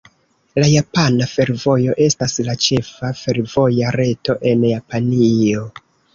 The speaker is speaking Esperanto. La Japana Fervojo estas la ĉefa fervoja reto en Japanio.